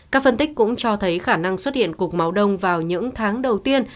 các phân tích cũng cho thấy khả năng xuất hiện cục máu đông vào những tháng đầu tiên